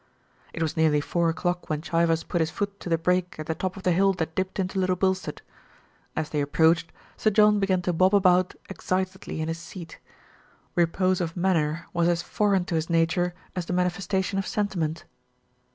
It was nearly four o'clock when Chivers put his foot to the brake at the top of the hill that dipped into Little Bilstead. As they approached, Sir John began to bob about excitedly in his seat. Repose of manner was as foreign to his nature as the manifestation of sentiment.